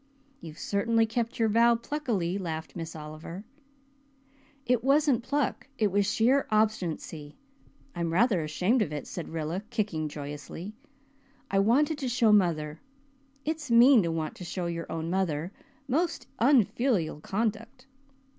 "You've certainly kept your vow pluckily," laughed Miss Oliver. "It wasn't pluck it was sheer obstinacy I'm rather ashamed of it," said Rilla, kicking joyously. "I wanted to show mother. It's mean to want to show your own mother most unfilial conduct!